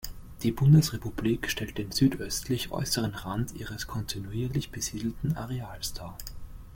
Die Bundesrepublik stellt den südöstlich äußeren Rand ihres kontinuierlich besiedelten Areals dar.